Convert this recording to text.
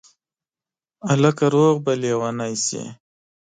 هلکه روغ به لېونی شې